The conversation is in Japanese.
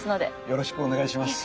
よろしくお願いします。